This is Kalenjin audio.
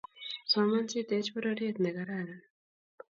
Soman siteich bororet nekararan